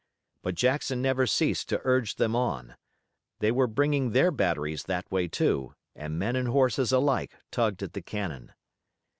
But Jackson never ceased to urge them on. They were bringing their batteries that way, too, and men and horses alike tugged at the cannon.